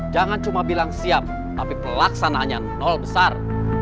jangan cuma bilang siap tapi pelaksanaannya nol besar